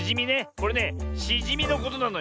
これねしじみのことなのよね。